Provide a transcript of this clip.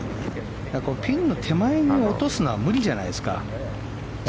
ピンの手前に落とすのは無理じゃないですか。